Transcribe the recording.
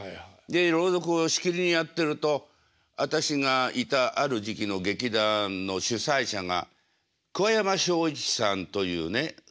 で朗読をしきりにやってると私がいたある時期の劇団の主宰者が桑山正一さんというねこれ日本を代表する